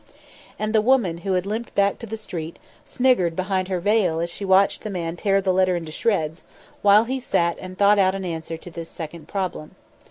And the woman who had limped back to the street, sniggered behind her veil as she watched the man tear the letter into shreds, while he sat and thought out an answer to this second problem.